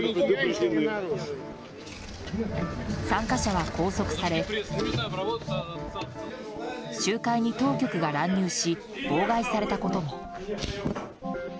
参加者は拘束され集会に当局が乱入し妨害されたことも。